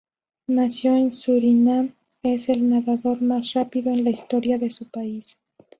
Nacido en Surinam, es el nadador más rápido en la historia de su país.